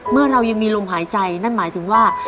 เรายังมีลมหายใจนั่นหมายถึงว่า